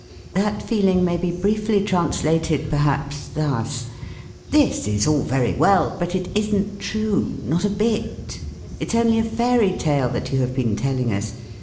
That feeling may be briefly translated, perhaps, thus: 'This is all very well, but it isn't true, not a bit! It's only a fairy tale that you have been telling us.